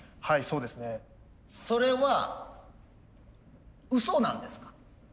はいそうですね。それはうそなんですか？